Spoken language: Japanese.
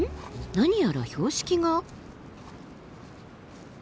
何やら標識が。